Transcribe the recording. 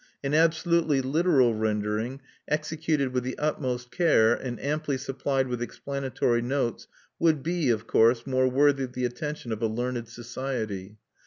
An absolutely literal rendering, executed with the utmost care, and amply supplied with explanatory notes, would be, of course, more worthy the attention of a learned society.